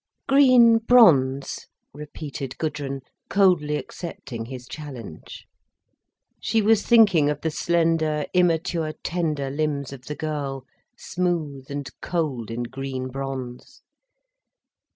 "Green bronze!" repeated Gudrun, coldly accepting his challenge. She was thinking of the slender, immature, tender limbs of the girl, smooth and cold in green bronze.